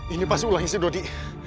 ini pasti ulah isi dodi